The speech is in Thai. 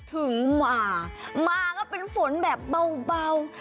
ถึงมามาก็เป็นฝนแบบเบา